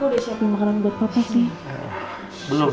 kok udah siapin makanan buat papa sih